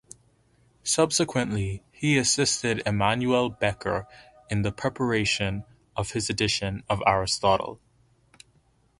Subsequently, he assisted Immanuel Bekker in the preparation of his edition of Aristotle.